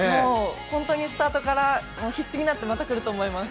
本当にスタートから必死になってまたくると思います。